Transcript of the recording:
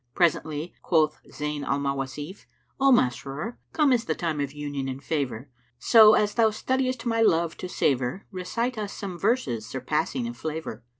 Presently quoth Zayn al Mawasif, "O Masrur, come is the time of Union and favour; so, as thou studiest my love to savour recite us some verses surpassing of flavour.